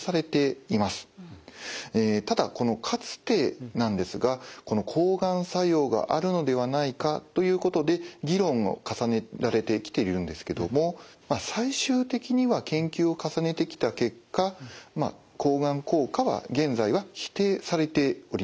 ただこの「かつて」なんですが抗がん作用があるのではないかということで議論を重ねられてきてるんですけども最終的には研究を重ねてきた結果抗がん効果は現在は否定されております。